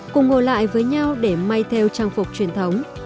cùng ngồi lại với nhau để may theo trang phục truyền thống